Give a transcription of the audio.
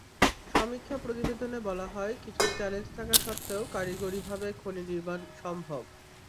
সমীক্ষা প্রতিবেদনে বলা হয়, কিছু চ্যালেঞ্জ থাকা সত্ত্বেও কারিগরিভাবে খনি নির্মাণ সম্ভব।